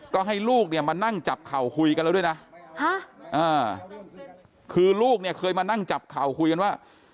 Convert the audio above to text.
ก็ให้ลูกเนี่ยมานั่งจับเข่าคุยกันแล้วด้วยนะคือลูกเนี่ยเคยมานั่งจับเข่าคุยกันว่า